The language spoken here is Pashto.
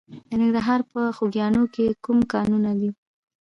د ننګرهار په خوږیاڼیو کې کوم کانونه دي؟